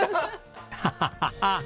ハハハハ！